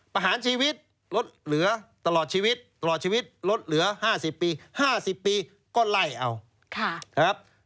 ๕๐ปีก็ไล่เอา